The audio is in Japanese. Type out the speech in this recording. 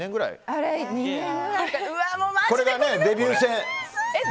これがデビュー戦。